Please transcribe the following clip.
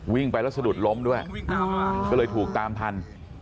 วิ่งไปแล้วสะดุดล้มด้วยก็เลยถูกตามทัน